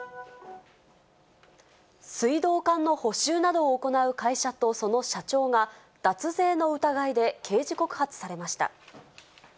水道管の補修などを行う会社とその社長が、脱税の疑いで刑事告発されました。